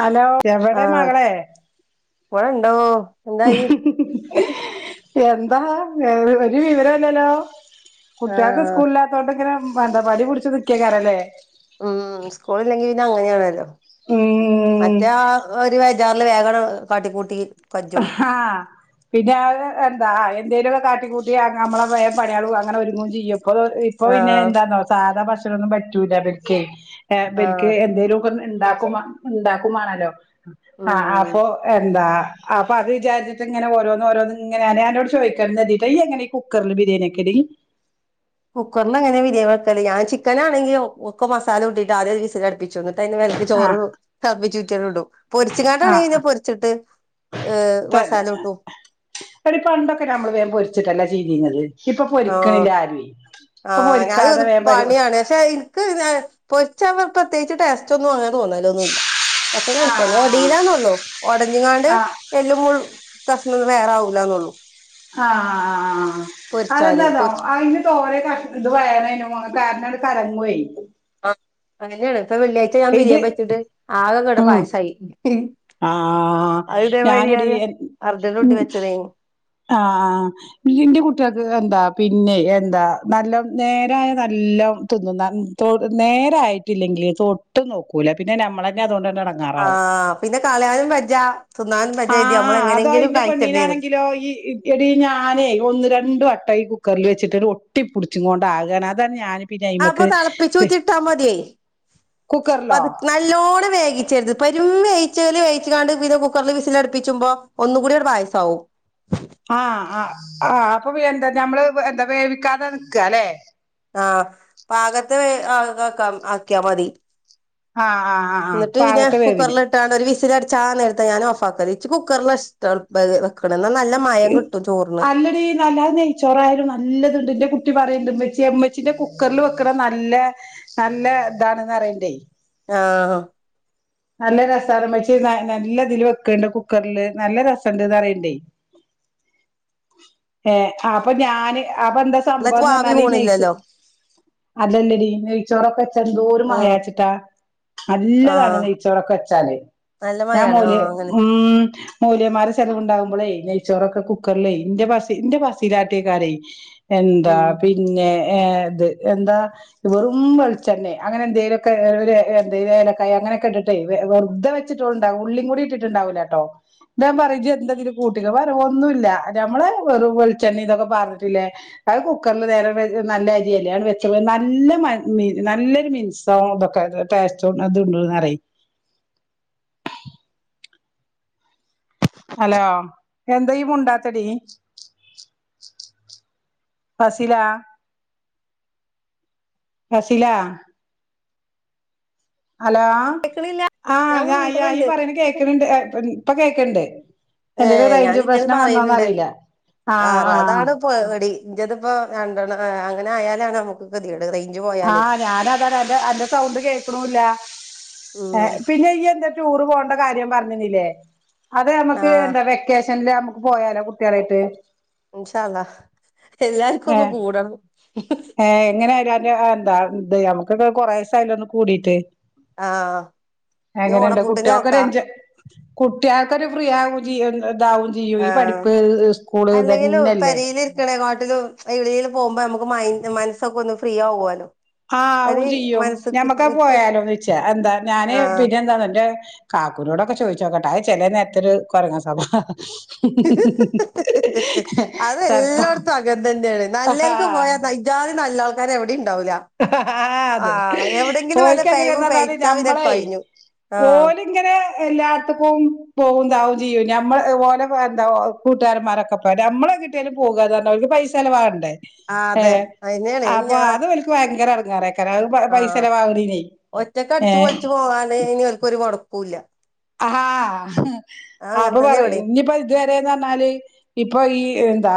Hello എവടെ ആഹ് മകളെ. ഇവടെണ്ടോ. എന്തായി എന്താ ഒരു വിവരല്ലല്ലോ. ആഹ് കുട്ടികൾക്ക്സ്കൂളിലാത്തോണ്ട്ങ്ങനെ എന്താ മടി പിടിച്ചു നിക്കയ്ക്കാരല്ലേ. മ് സ്കൂളില്ലെങ്കി പിന്നെങ്ങനെയാണല്ലോ ഉം മറ്റേ ആ ഒരു വരി റില് വേഗണ് കാട്ടിക്കൂട്ടി കജ്ജും ആഹ് പിന്നെ എന്താ എന്തേലും കാ നെ കൂട്ടിയാർഞ അമ്മള പയേ പടയാളു അങ്ങനെ ഒരുങ്ങും ചെയ്യപ്പോ ഇപ്പൊ പിന്നെ ആഹ് എന്താണോ സാധഭക്ഷ് റ്റളൊന്നും പറ്റൂല ബൽകേ ഏഹ് ആഹ് ബൽക്ക് എന്തേലുകെ ന്ന്ണ്ടാകുമാ ണ്ടാക്കുമാണാലോ ആഹ് ഉം ആപ്പൊ എന്താ അപ്പൊ അത് വിചാരിച്ചട്ട ങ്ങനെ ഓരോന്ന് ഓരോന്ന് ങ്ങനെ യാന് അനോട് ചോദിക്ക ന്നതി ഇയ്യ് എങ്ങനെ ഈ കുക്കർല് ബിരിയാണി ക്കെല് കുക്കറിന്നെങ്ങനെ ബിരിയാൻ വെക്കല് ഞാൻ ചിക്കനാണെങ്കി ഒക്കെ മസാലൂട്ടിട്ട് ആദ്യ ഒരു വിസൽ അടുപ്പിച്ചോന്നി് അതിന് മെലക്ക് ചോറ് ആഹ് തൾപ്പിച്ചുറ്റി അട് ഇടും പൊരിച്ചങ്ങാട്ടാണെങ്കി ഇന്നെ ആഹ് പൊരിച്ചിട്ട് ഏഹ് തന്നെ മസാലൂട്ടു എടി പണ്ടൊക്കെ നമ്മള് വേം പൊരിച്ചിട്ടല്ല ചീതിഞത് ഇപ്പൊ ആഹ് പൊരിക്കണില്ല ആരു ഏ ആഹ് ഞഹ് ത് പണിയാണ് ക്ഷെ ഇൻക്ക് ഞ പൊര്ച്ചവ പ്രത്യേകിച്ച് ടെസ്റ്റ ഒന്നും അങ്ങനെ തോന്നലോ ഒന്നുല്ല ഒക്കെ ആഹ് കൻച്ചന്നെ ഒടീലാന്നൊള്ളു ഒടഞ്ങ്ങാണ്ട് ആഹ് ആഹ് എല്ലും മുൾ കഷ്ണൊന്ന് വേറെ ആവൂല്ലന്നുള്ളൂ ആഹ് ആഹ് ആഹ് ആഹ് അ അതെന്താതോ പൊരി ആയ്ന് തോറെ കഷ് ഇത് വേനേനു മുറെ കാരണംഅഹ് കലങ്ങുഏ അഹ് അങ്ങനെയാണ് ഇപ്പൊ വെള്ളിയാഴ്ച ഞാൻ ഇത് ബിരിയാ വച്ചിട്ട് ആകൊക്കെടാ ഉം പായസയി ആഹ് ഞാനടീ അർജന്റുട്ടി ഉം വെച്ചതേനി ആഹ് ബിയ്യിന്റെ കുട്ടിൾക്ക് എന്താ പിന്നെ എന്താ നല്ല നേരായ നല്ലം തിന്നും ന്നൻ ചോറ് നേരായിട്ടില്ലെ ഇല്ലേ തൊട്ടു നോക്കൂല പിന്നെ നമ്മളെന്നെ അതോണ്ട് തന്നെ അടങ്ങാറാവും ആഹ് പിന്നെ കളയാനും വജ്ജ തിന്നാനും വജ്ജ കരുതി നമ്മള് ആഹ് അതോ എങ്ങനെങ്കിലും ഇന്റെ കഴിക്കണ്ടേരും പെണ്ണീനാണെങ്കിലോ ഈ ഇടി [unintelligible] ഞാനേ ഒന്ന് രണ്ട് വട്ട ഈ കുക്കറ്ല് വെച്ചിട്ട് ഒട്ടിപ്പുട്ച്ചുക്കോണ്ട് ആകാൻ അതാണ് ഞാനി ആഹ് അപ്പൊ തളപ്പിച്ചൂറ്റി ഇട്ടാ മത്യെ. അ കുക്കറിലോ അത് നല്ലോണം വേവി രുത് ഇും വേല് വേണ്ട് പിന്നെ കുക്കറിൽ വിസില അടുപ്പിച്ചുമ്പോ ഒന്ന കൂടി അവിടെ പായസമാവും ആഹ് ആ ആ് അപ്പൊ എന്താ ഞമ്മള് എന്താ വേവിക്കാതെ നിക്ക അല്ലെ ആഹ പാകത്തെ ആക്കാം ആക്കിയാ മതി ആഹ് ആഹ് ആഹ് ആഹ് എന്നിട്ട് പിന്നെ പാകത്തെ വേവിന് കുക്കറിലിട്ടാണ് ഒരു വിസി ചാ എടുത്ത ഞാനൻ ഓഫ ആക്ക ചച്ച കുക്കറില്ട അല്ലട നല്ലാതച്ചോറായാലും നല്ലതുണ്ട് എന്റെ കുട്ടി പറ ച്ച എമ്മച്ചിന്റെ കുക്കറിൽ വെക്കണ നല്ല നല്ല ഇതാണെന്ന് അറിയണ്ടേ ആഹ് നല്ല രസമാണ് വച്ച് നല്ല ഇതില് വെക്കണ്ട് കുക്കറിില് നല്ല രസുണ്ട്ന്ന് അറിയണ്ടേ ഏ അപ്പൊ ഞാന് അപ്പൊ എന്താ എന്നിട്ട് സംഭവംന്ന് ആവി പറഞ്ഞാൽ നെയ്ച്ച പോണില്ലല്ലോ അല്ലല്ലീ നെയ്ച്ചോറൊക്കെ എന്തോരും ആഹ് അയാച്ചിട്ടാ നല്ലതാണ് ആഹ് നെയ വച്ചാലേ നല്ല ഞാൻ മയാണ് ആഹ് അങ്ങനെ ഉ മൂലയമാര് ചെലവുണ്ടകുമ്പോളേ നെയ്ച്ചോറൊക്കെ കുക്കറിലേ ഇന്റെ പ ഇന്റെ പശയിലാട്ടിയക്കാരേ എന്താ ഉം പിന്നെ ഇത് എന്താ വെറും വള തന്നെ അങ്ങനെ എന്തെലുംൊക്കെ എന്തും ഏലക്കായ അങ്ങനെയൊക്കെ വെുതെ വെിട്ടുണ്ട ഉള്ളിും കൂടിട്ടിട്ടുണ്ടാവലേ കേട്ടോ ഞാൻ പറയിച് എന്തതിും കൂട്ടിക്ക പറര ഒന്നുമ ഇല്ല നമ്മള് വെറു വെളിച്ചെണ്ണ ഇതൊക്കെ പറഞ്ഞിട്ടില്ലേ അത് കുക്കറിൽ നേരെ നല്ല അരിയലാണ് വെച്ചപ്പോ നല്ല നല്ലൊരു മിൻസവും ഇതൊക്കെ ടാസ്റ്റ അണ്ടന്ന്റയി ഹലോ എന്ത മുണ്ടാത്തടി ഫസിലാ ഫസിലാ ഹലോ കേക്കണില്ല ആഹ ഞാൻ ഞയ അയി മുണ്ട്ന്ന്ണ്ട് പറയ കേൾക്കണണ്ട് ഇപ്പൊ കേക്കണ്ട് എന്രു റേഞ്ച് പ്രശ്നം വന്നോന്ന്റിയില്ല ആ അതാാണ് ഇപ്പോൊ എടി ഇന്റതിപ്പ രണ്ടെണ്ണം അങ്ങനെയാലാണ് നമ്മുക്ക് കതി ആഹ ഞാനൻ അത അന്റെ സൗണ്ട് കേൾക്കണില്ല ഏ ഉം പിന്നെ ഈ എന്താ ടൂറ് പോകണ്ട കാര്യം പറഞ്ഞുന്നില്ലേ? അതെ നമ്മുക്ക് ആഹ് എന്താ വെക്കേഷനിൽ നമ്മക്ക് പോയാലോ നമ്മക്ക് കുയാളേട്ട്. ഇൻഷാ അള്ളാ എല്ലാര്ക്കൊന്ന് കൂടണം ഏ എങ്ങനായാലും അന്റെ എന്താ ന്ത് നമ്മക്കൊക്കെ കൊററേസായിലലെ ഒന്നന്ന് കൂടീട്ട്. ആഹ് ഇനി എങ്ങനെണ്ട് ഓണപ്പൂട്ടിന് കുട്ട്യാക് നോക്കാ ഒരഞ്ചോയ്മെ കു കുട്ട്യാആകൊര് ഫ്രീ ആകും ചെയ്യും ഇതാവും ചെയ്യും ഈ ആഹ് പഠിപ്പ് സ്കൂള് അല്ലെങ്കിലും തന്നെയല്ലേ? [unintelligible] പോകുമ്പോ നമുക്ക് മ മനസ്സഒക്കെന്ന് ഫ്രീ ആവോല്ലോ. ആഹ ആവു ചെയ്യും ഞമ്മക്ക ഇക്ക് പോയാലോന്ന്ച്ചാ എന്താ ഞാന് ആഹ് പിന്നെന്താ കാ കാകൂനോടൊക്കെ ചോയ്ച്ചോക്കട്ടെ ചെല നേരത്ത് ഒരു കൊരങ്ങ സ്വഭാവ. ഇഹ് ഇഹ് ഇഹ്ഹ് അത് ചെൽപ്പോ എല്ലായിടത്തും അങ്ങനെ തന്നെയാണ് ആഹാ നല്ലോൽക്ക് [unintelligible] ഉണ്ടാവൂല ആഹ അത് ആഹ് എവിടെങ്കിലും വല്ല ഓല്ക്ക് എങ്ങനെ പെയ്വും അർഞാല് പെയ്ച്ചാ പിന്നെ ഞമ്മളേയ് കഴിഞ്ഞു ആഹ് ഓല് ഇങ്ങനെ എല്ലാർത്ക്കും പോവും താവും ചെയ്യും നമ്മള് ഓലോ എന്താ കൂട്ടുകാരന്മാരൊക്കെപ്പ നമ്മള് കിട്ടിയാലും പോാര ഓൽക്ക് പൈസ ചലവാണ്ട് ആഹ് അ അതെ അയിനാണ് അഅപ്പോഅതോൽ ഭയര എടങ്ങാേറേക ആഹ ഒറ്റക്ക് ഏ അടച്ച്ു പൊളിച്ചു പോവാണേന് ഓല്ക്ക് ഒരു മൊടക്കുല്ല. ആഹാ അങ്ങനെ അപ്പൊ തന്നെ പറ ഇവിടേം ഇനിപ്പോ ഇതുവരെന്ന് പറഞ്ഞാല് ഇപ്പൊ ഈ ാ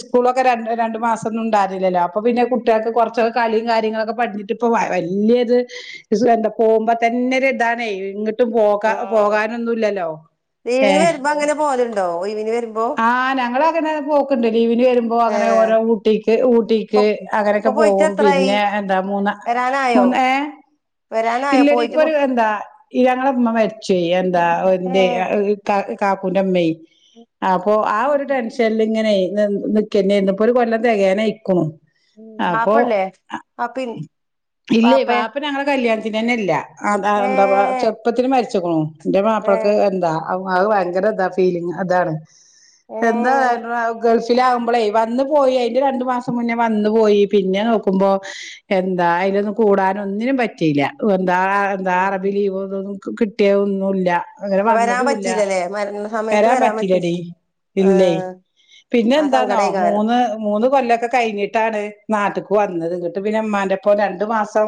സ്കൂളൊക്കെ ര രണ്ട് മാസം ഒന്നും ഉണ്ടാരില്ലല്ലോ അപ്പൊ പിന്നെ കുട്ടികൾക്ക് കുറച്ചൊക്കെ കളിയു കാര്യങ്ങളൊക്കെ പട് ന്ന്ട്ട ഇപ്പൊ വല്യത് എന്താ പോകുമ്പ തന്നെ ഒര് ഇതാണേ ഇങ്ങോട്ടും പോക്ക പോകാനൊന്നുല്ല ല്ലോ ഏ. ലീവിന് വരുമ്പോ അങ്ങനെ പോവലുണ്ടോ ഒഴിവിന് വരുമ്പോ ആഹ ഞങ്ങ അങ്ങനെ പോക്ണ്ട്. ലീവിന് വരുമ്പോ അങ്ങനെ ഏഹ് ഓരോ ഊട്ടിക്ക് ഇപ്പൊ ഊട്ടിക്ക് അങ്ങനെയൊക്കെ പോകും പിന്നെ എന്താ മൂന്ന രാനായോ? മൂന്ന് ഏഹ് ഇല്ലടി ഇപ്പൊ ഒരു എന്താ ഞങ്ങളറ ഉമ്മ മരിചിനി എന്താ ഏ ഇന്റെ ഇക്ക ക് കാക്കൂന്റെ ഇമ്മെയ്. അപ്പൊ ആഹ് ഒരു ടെൻഷൻല് ഇങ്ങനെ നിന് നിക്കക്കന്നെയ്നു ഇന്ന് ഇപ്പോ ഒരു കൊല്ലം തെയ്ഞ്ഞു അപ്പൊ വാപ്പല്ലേ വാപ്പി ഇല്ലെ വാപ്പേ പാപ്പ ഞ്ഞങ്ങളെ കല്യാണ അതിനന്നെ ഇല്ല. അ ഏ എന്താ ചെറുപ്പത്തില് മര്‌ച്ചുകുണു. ഇന്റെ ഏ മാപ്ലക്ക് എന്താ ഔ അഹ് ഭയങ്കര ഇതാ ഫീലിങ് ഇതാണ് ഏ എന്താ ഇങ്ങളെ ഗൾഫിലാആകുമ്പളേ വന്ന് പോയി അയ്ന്റെ രണ്ടു മാസം മുന്നേ വന്ന പോയി. പിന്നെ നോക്കുമ്പോ എന്താ അയ്ലൊന്നും കൂടാനൊ ഒന്നിനും പറ്റീല്ല എന്താ എന്താ അറബി ലീവ് ഇതൊന്നും കിട്ടിയൊന്നുല്ല. അങ്ങനെ വരാൻ വന്നതുല്ല. പറ്റിയില്ലല്ലേ മരണ സമയത്ത് വരാൻ പറ്റി പറ്റില്ലടി ആ ഇല്ലെയ്. പിന്നെ ആ എന്താന്നോ. സങ്കടേകാരം മൂന്ന് മൂന്ന് കൊല്ലൊക്കെ കഴിഞ്ഞിട്ടാണ് നാട്ട്ക്ക് വന്നത് ഇങ്ങട്ട് പിന്നെ ഇമ്മാന്റെപ്പം രണ്ടു മാസം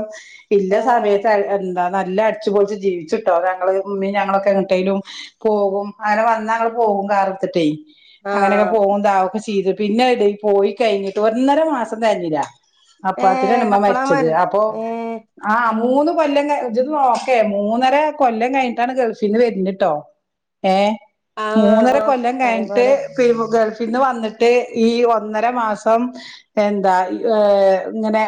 ഇല്ല ആ സമയത്ത് എന്താ നല്ല അട്ച്ചുപൊൾച്ച് ജീവിച്ച്ട്ടോ. ഞങ്ങള് ഉമ്മി ഞങ്ങളൊക്കെ എങ്ങട്ടേലും പോകും അങ്ങനെ വന്ന ഞങ്ങള്പോകും കാറ് ട്ടെയ് അങ്ങനൊക്കെ പോകും താവൊക്കെ ചെയ്ത് പിന്നെ എടി പോയി കെഴിഞ്ഞിട്ട് ഒന്നര മാസം തെയ്ഞ്ഞില ഏ അപ്പഅതിലെന്നെ ഇമ്മ അപ്പളാ മര മര്ച്ചത് അപ്പൊ ഏ ആഹ് മൂന്ന് കൊല്ലം ഇജൊന്ന്നോക്കെ മൂന്നര കൊല്ലം കഴിഞ്ഞിട്ടാണ് ഗൾഫിന്ന് വരുന്നെട്ടോ ഏഹ്. ആ മൂന്നര ആ കൊല്ലം പറയും കഴിഞ്ഞിട്ട് പോലെ പി ഗൾഫ് പിന്നെ വന്ന്ട്ട് ഈ ഒന്നര മാസം എന്താ ഇങ്ങനെ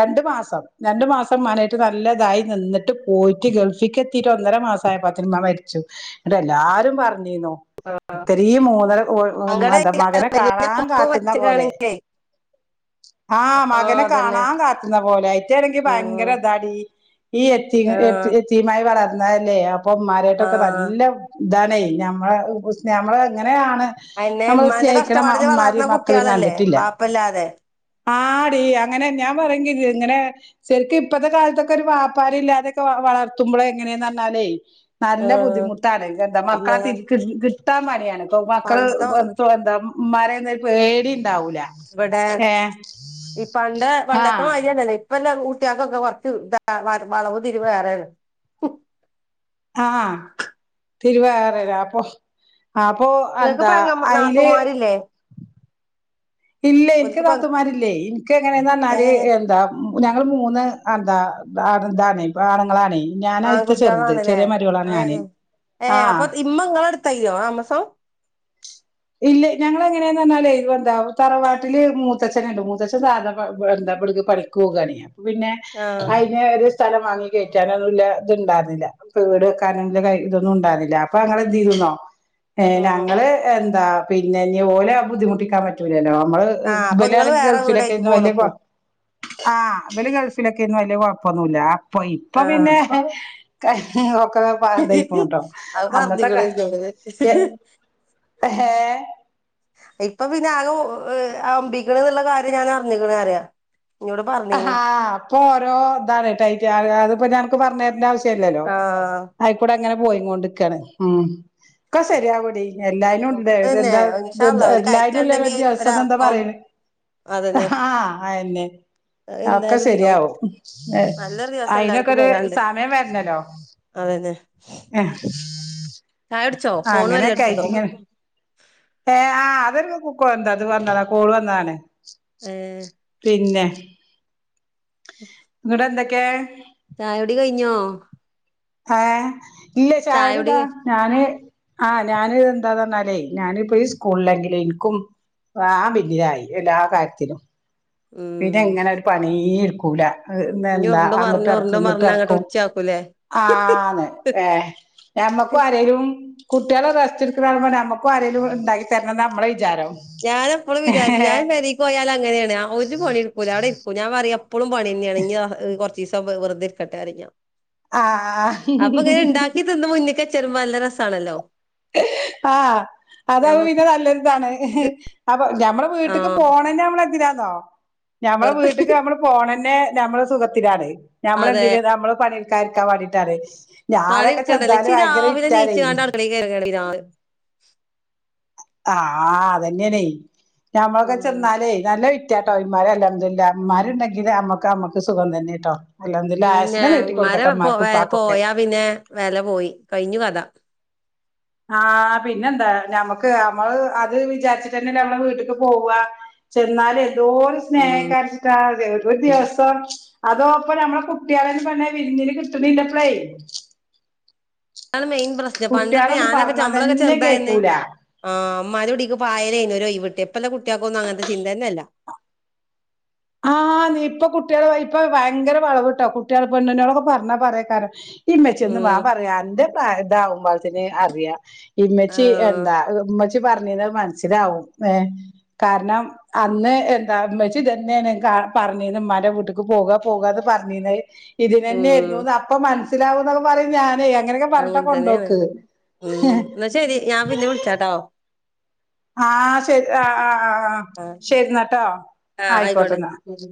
രണ്ട് മാസം രണ്ട് മാസം ഇമ്മാനേയട്ട് നല്ലതായി നിന്ന്ട്ട് പോയിട്ട് ഗൾഫി ക്കെത്തീട്ട് ഒന്നര മാസ ആയപ്പോത്തിന് ഇമ്മ മര്ച്ചു ന്നട്ട് എല്ലാരും പർ ഇത്തരീ മൂന്നര എന്ത സങ്കടേകാരം മകനെ മരിന്റെ കാണാൻ മുമ്പ് കാത്ത്ന്ന പോലെ. വെച്ചക്കാണെങ്കിലേ ആഹ് ആ മകനെ അതന്നെ കാണാൻ കാത്ത്ന്ന പോലെ. അയിറ്റേണെങ്കി ഭയങ്കര ഉം ഇതാടി. ഈ എത്തി ആ എ എത്തി മ്മായി വള ന്നതല്ലേ അപ്പൊ മ്മാരേട്ട് ആ നല്ല ഇതാനായി നമ്മള നമ്മളങ്ങനെ അങ്ങനെയാണ് അന്നെ നമ്മൾ ഇമ്മാന്റെ സ്നേഹിക്കണ കഷ്ടപ്പാടില് വളർന്ന അമാരിം മക്കളിം കുട്ടികളല്ലേ കണ്ടിട്ടില്ല. വാപ്പല്ലാതെ ആടി അങ്ങനെ ഞാൻ പറി ചീത് ഇങ്ങനെ സെരിക് ഇപ്പത്തെ കാലത്തൊക്കെ ഒരു വാപാ രില്ലാതെക്കെവളന്നാ വളർത്തുമ്പോഴ എങ്ങനെയന്ന്ന്നാലേ നല്ല ഏഹ് ബുദ്ധിമുട്ടാാണ്െ എന്താ പിന്നെ മക്കളെ തിരി കിട്ടാൻ പണിയാണ് ഇപ്പൊ മക്കള് പണ്ടത്തെ എ എന്താ മര പേട ഇവിടെ ഈ പണ്ട് പണ്ടത്ത ആഹ് അരിയന്നല്ലേ ഇപ്പല്ലാം കുട്ടക്കൊക്കെ കൊറച്ച് ഇന്ത വളവ് തിരുവേറെരുന്നു ആഹ് തിരുവാറര അപ്പൊ അപ്പൊ നിങ്ങൾക്ക് എന്താ പെങ്ങ അതില് നാത്തൂമാരില്ലേ ഇല്ല എനിക്ക് ഓൽക്ക് പെ താത്തുമാരില്ലേ എനിക്ക് എങ്ങനെയന്ന് പറഞ്ഞാല് ഏഹ് എന്താ ഞങ്ങൾ മൂന്ന് എന്താ ന്താണ് ഇപ്പ ആണങ്ങളാണ് ആൺകുട്ടികളാണല്ലേ ഏ ഏ അപ്പൊ ആഹ് ഇമ്മ ഇങ്ങളടുത്ത് തയ്യോ ആമസോ ഇല്ല ഞങ്ങ എങ്ങനെയന്ന് പറഞ്ഞാലേ ഇത് എന്താ തറവാട്ടില് മൂത്തച്നുണ്ട് മൂത്തച്ഛൻ സാധ എന്താ പഠിച്ചു പോണ പിന്നെ ആഹ് അതിന് ഒരു സ്ഥലം വാങ്ങി കറ്റാ ഇത്ണ്ടായിരുന്നില്ല വീട് വെക്കാനും ഇതൊന്നും ഉണ്ടായിുന്നില്ല അപ്പൊ അങ്ങനെ എന്തുന്നോ ഏ ഉം ഞങ്ങള് എന്താ പിന്നെ ഇ പോലെ ബുദ്ധിമുട്ടിക്കാൻ പറ്റൂലല്ലോ നമ്മള് ആഹ് അപ്പൊ ഇങ്ങള് വലാണങ്കി വേറെ ഗൾഫിലൊക്കെ വീടായിട്ട് ഇന്ന് വലിയ പോന്നക്കും ആഹ് അല് ഗൾഫിലൊക്കെ ഇതും വലിയ കൊഴപ്പൊന്നുമല്ല അപ്പൊ ഇപ്പൊ ആഹ് പിന്നെ ക്ക ദക്കട്ടോ അത് പറഞ്ഞിക്കണ് അന്നത്തെക്കെ ഇന്നോട് ഇപ്പൊ പിന്നെ ആകെ അമ്പിക്കണ എന്നുള്ള കാര്യം ഞാൻ അറിഞ്ഞിിക്കണ അറിയ ആഹ് അപ്പൊ ഓരോ ഇതാണ്ട്ട അതിപ്പോ ഞനക്ക് പറഞ്ഞ തര ല്ലല്ലോ ആഹ് ആയിക്കൂടെ അങ്ങനെ പോയി കൊണ്ട്രിക്കാണ് ഉം ഇക്ക ശരിയാ കുടി എല്ലാരും ഉണ്ട് ര് അതന്നെ എന്താ ഇൻഷാ അല്ലാഹ് [unintelligible] ഒരു എല്ലാരും ഇല്ല കയറ്റുണ്ടെങ്കി [unintelligible] എന്താ ഒരറക്കം പറയണ്. അതന്നെ ആഹ് അയന്നെ. അത് ഒക്കെ എന്തായാലും ഇണ്ടാവും, ശരിയാവും നല്ലൊരു ദിവസം അയിനൊക്കെ എല്ലാർക്കും ഒരു വരാണ്ട്. സമയം വരണല്ലോ അതന്നെ ചായ കുടിച്ചോ ആ ഫോണ് അങ്ങനെയൊക്കെ ആയിട്ട ബെല്ലടിച്ചിണ്ടോ ഇങ്ങനെ ഏ ആ് അതൊരു എന്തത് വഞ്ഞതാ കോള് വന്നതാണ് ഏഹ് പിന്നെ ഇങ്ങട എന്തൊക്കെ ചായോടി കഴിഞ്ഞോ ആഹ ഇല്ല ചായ ചായുടി ഇടുവാ കഴി ഞാന്- ആഹ് ഞാന് എന്താഞ്ഞാലേ ഞാനിപ്പോ സ്കൂളിലെങ്കിലില് എനിക്കും- ആഹ ബിസിയാ എല്ലാ കാര്യത്തിലും പിന്നെ ഉം എങ്ങനെ ഒരു പണി എടുക്കൂല ഇനി എന്താ ഉരുണ്ടും അങ്ങിട്ട പറഞ്ഞ് ഇർക്കും ഉരുണ്ടും ഇങ്ങിട്ട പറഞ്ഞ് അങ്ങട്ട് ഇർക്കും ഉച്ചയാക്കൂലേ ആ ഏ ഞമ്മക്കും ആരലും- കുട്ടികളെ റസ്ടുക്കണെ നമുക്കും ആരേലും ഉണ്ടാക്കി തരണം എന്നാ നമ്മുടെ വിചാരം ഞാന എപ്പോഴും വിചാരിച്ചു ഞാൻ ഏഹ് വെളി പോയാൽ അങ്ങനെയാണ് ഒരു മണി ഇടുക്കൂല അവിടെ ഇരിക്കൂ ഞാൻ പറയാ എപ്പോഴും പണി തന്നെയാണെങ്കിൽ കുറച്ച് ദിവസം വെറുരിക്കട്ടെ ആഹ് അപ്പൊ ഇങ്ങനെ ഉണ്ടാക്കി തന്ന മുന്നക്ക് ചെറുമമ്പ നല്ല രസമാണല്ലോ ആഹ് അത പിന്നെ നല്ലരുതാണ് നമ്മടെ വീട്ടക്ക് ആഹ് പോണ തന്നെ നമ്മള എഎന്തിനാണോ ഞമ്മളെ വെറുതെ വീട്ടക്ക് നമ്മള് പോണ തന്നെ- നമ്മെ സുഖത്തിനാണ് അതെ ഞമ്മളെന്തിന നമ്മള് പണിൽക്കാരിക്കാൻ വേണ്ടിട്ടാണ് പണി ഞാനൊക്കെ എടുക്കണ്ടല്ലോ ചെന്നാലേ ഭയങ്കര വിറ്റാണ് ആ ആഹ അതന്നെയനെ ആണ് ഞമ്മളൊക്കെ ഉം ചെന്നാലേ നല്ല വിറ്റാട്ടോന്മാര അല്ലാംല്ല അമ്മമാരുണ്ടെങ്കില് അമ്മ- നമക്ക് സുഖം തന്നെട്ടോ അൽഹംദുലില്ലാഹ് പിന്നെ ആയുസ്സിനെ നീട്ടി ഉമാരെ കൊടുക്കട്ടെ പോ ഇമ്മാർക്കും ഉപ്പാക്കൊക്കെ പോയാ പിന്നെ വില പോയി കഴിഞ്ഞു കഥ ആഹ പിന്നെ എന്താ ഞമ്മക്ക് നമ്മള് അത് വിചാരിച്ചിട്ടന്നെ നമ്മള് വീട്ടിലക്ക് പോവാ ചെന്നാല എന്തോ ഒരു സ്നേഹം ഉം കാരച്ചിട്ടാ ഒരു ദിവസം അതോപ്പ നമ്മെ കുട്ടികളു പറഞ്ഞെ വിരുന്നിന് കിട്ടണില്ലപ്പഴേ അതാണ്, മെയിൻ പ്രശ്നം, പണ്ടൊക്കെ, ഞാനൊക്കെ, ചമ്മളൊക്കെ, തന്നെ ചെറുതായിന്ന്, കേക്കൂല ആ, മ്മാരോടീക്ക് വായനയ്ന്നും, ഓരോയ് വ്വ്ട്ട്യെപ്പ് [unintelligible] പ്പെല്ല, കുട്ടിയാക്കൊന്നും, അങ്ങനത്തെ, ചിന്തന്നെല്ല ആഹ് ന്ന്, ഇപ്പൊ കൂട്ടിയാൾ, വയ്യ്പ്പൊ, വയങ്കര വളവ് ട്ടോ, കുട്ട്യാ, പെണ്ണുനോടൊക്കെ, പറഞ്ഞ, പറയെയ്ക്കാരം ഇമ്മച്ചിയോന്ന് വാ ഉം പറയാ, അന്റെ, പ്രായ താവുംമ്പളത്തിന്, അറിയ ഈമെച്ചി, ആഹ് എന്ത [unintelligible] മനസിലാവും, കാരണം, അന്ന്, എന്താ [unintelligible] മ്മാന്റെ വീട്ടിക്ക്, പോക, പോക ന്ന് പറഞ്ഞേനെ, ഇതിനന്നെയായിയിരുന്നു ഉം ന്ന്, അപ്പൊ, മനസ്സിലാവുന്നൊക്കെ, പറയു ഏയ്ഞ് ഞാനേ അങ്ങനെയൊക്കെ, പറഞ്ഞിട്ടാ, അങ്ങനെ തന്നെയാണ് കൊണ്ടോക്ക് ഉം എന്നാ ശരി ഞാൻ പിന്നെ വിളിച്ചാട്ടോ ആഹ, ശരി, ആ, ആ, ആഹ് ശരിെന്നട്ടോ, ആ ആയിക്കോട്ടെന്ന. ആയിക്കോട്ടെ